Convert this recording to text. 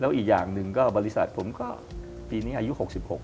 แล้วอีกอย่างหนึ่งก็บริษัทผมก็ปีนี้อายุ๖๖แล้วค่ะ